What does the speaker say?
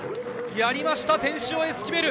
やりました、テンシオ・エスキベル。